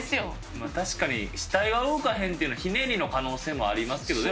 まあ確かに死体が動かへんっていうのはひねりの可能性もありますけどね。